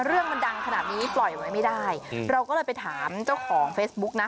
เรื่องมันดังขนาดนี้ปล่อยไว้ไม่ได้เราก็เลยไปถามเจ้าของเฟซบุ๊กนะ